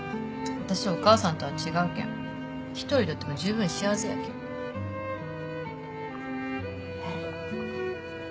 私はお母さんとは違うけん１人でおっても十分幸せやけん。ははっ。